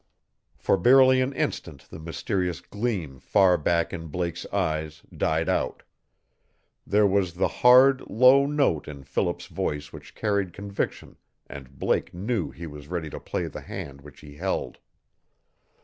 For barely an instant the mysterious gleam far back in Blake's eyes died out. There was the hard, low note in Philip's voice which carried conviction and Blake knew he was ready to play the hand which he held.